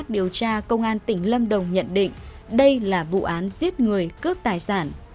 điều tra công an tỉnh lâm đồng nhận định đây là vụ án giết người cướp tài sản